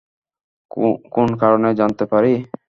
কোন কারণে জানতে পারি?